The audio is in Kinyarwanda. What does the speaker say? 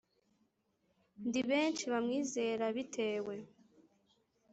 Ndi benshi bamwizera bitewe